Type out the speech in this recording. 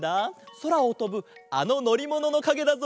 そらをとぶあののりもののかげだぞ。